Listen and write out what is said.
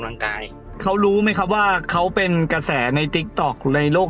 สุดท้ายก็ไม่มีทางเลือกที่ไม่มีทางเลือก